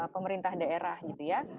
pemerintah daerah gitu ya